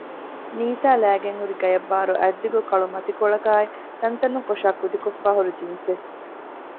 ނީތާ ލައިގެން ހުރީ ގަޔަށްބާރު އަތްދިގު ކަޅު މަތިކޮޅަކާއި ތަންތަނުން ކޮށައި ކުދިކޮށްފައި ހުރި ޖިންސެއް